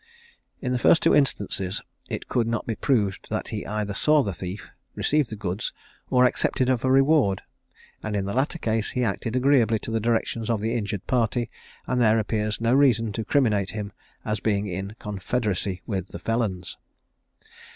In the two first instances it could not be proved that he either saw the thief, received the goods, or accepted of a reward; and in the latter case he acted agreeably to the directions of the injured party, and there appeared no reason to criminate him as being in confederacy with the felons.